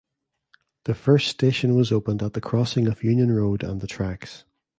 The first station was opened at the crossing of Union Road and the tracks.